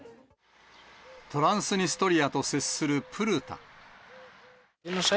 トランスニストリアと接するプルタ。